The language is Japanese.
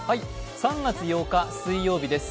３月８日水曜日です。